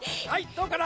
どうかな？